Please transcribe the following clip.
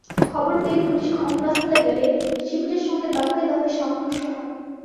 খবর পেয়ে পুলিশ ঘটনাস্থলে গেলে শিবিরের সঙ্গে দফায় দফায় সংঘর্ষ হয়।